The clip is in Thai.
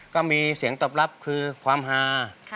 ก็มีเสียงตอบรับคือความฮา